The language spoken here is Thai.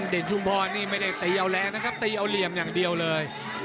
ชุมพรนี่ไม่ได้ตีเอาแรงนะครับตีเอาเหลี่ยมอย่างเดียวเลย